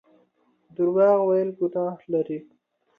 درواغ ويل ګناه لري